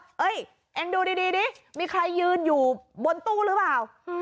เอ้ยเองดูดีดิมีใครยืนอยู่บนตู้หรือเปล่า